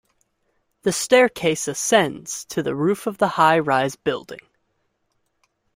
The staircase ascends to the roof of the high rise building.